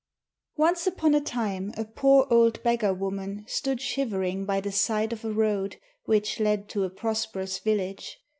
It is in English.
Once upon a time a poor old beggar woman stood shivering by the side of a road which led to a prosperous village.